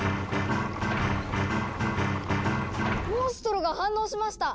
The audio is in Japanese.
モンストロが反応しました！